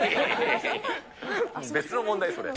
別の問題、それ。